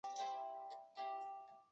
他的热情依旧维持在民族志学术上。